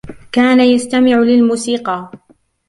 كان يستمع للموسيقى.